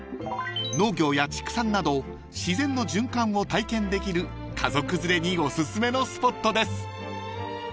［農業や畜産など自然の循環を体験できる家族連れにおすすめのスポットです］